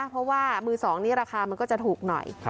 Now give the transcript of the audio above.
เพราะว่ามือสองนี้ราคามันก็จะถูกหน่อย